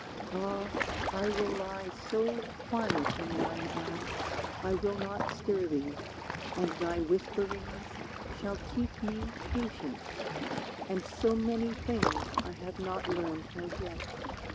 Ah! I will lie so quiet in thine arms I will not stir thee; and thy whisperings Shall teach me patience, and so many things I have not learned as yet.